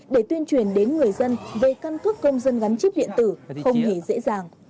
để tuyên truyền đến người dân về căn cước công dân gắn chip điện tử không hề dễ dàng